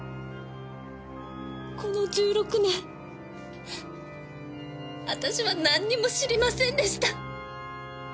この１６年私はなんにも知りませんでした。